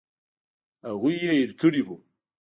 هغوی یې هېر کړي وو.